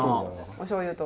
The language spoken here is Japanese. おしょうゆと。